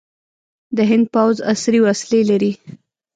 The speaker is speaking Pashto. د هند پوځ عصري وسلې لري.